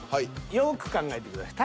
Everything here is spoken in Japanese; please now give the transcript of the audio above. よく考えてください。